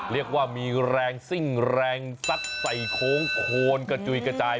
เรียกว่ามีแรงซิ่งแรงซัดใส่โค้งโคนกระจุยกระจาย